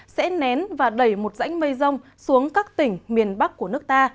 sẽ nén và đẩy một rãnh mây rông xuống các tỉnh miền bắc của nước ta